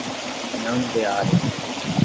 Nhandeara